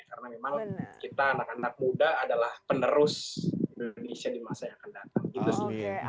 karena memang kita anak anak muda adalah penerus indonesia di masa yang akan datang